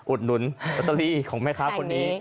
อุดหนุนลอตเตอรี่ของแม่ค้าคนนี้